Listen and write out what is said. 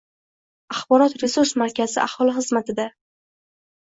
Axborot-resurs markazi aholi xizmatida